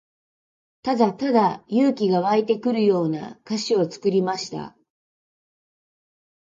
ただただ勇気が湧いてくるような歌詞を作りました。